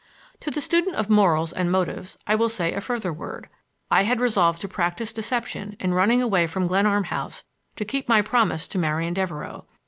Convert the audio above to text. To the student of morals and motives I will say a further word. I had resolved to practise deception in running away from Glenarm House to keep my promise to Marian Devereux.